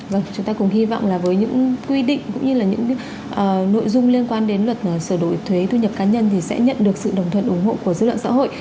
vâng chúng ta cùng hy vọng là với những quy định cũng như là những nội dung liên quan đến luật sửa đổi thuế thu nhập cá nhân thì sẽ nhận được sự đồng thuận ủng hộ của dư luận xã hội